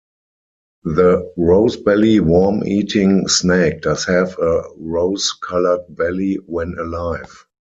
The rosebelly worm-eating snake does have a rose-colored belly when alive.